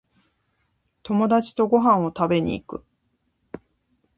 友達とご飯を食べに行く